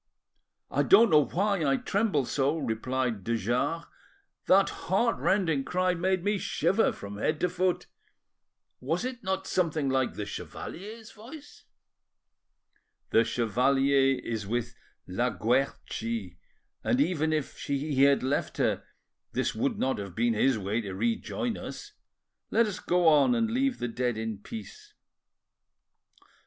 "I don't know why I tremble so," replied de Jars; "that heart rending cry made me shiver from head to foot. Was it not something like the chevalier's voice?" "The chevalier is with La Guerchi, and even if he had left her this would not have been his way to rejoin us. Let us go on and leave the dead in peace."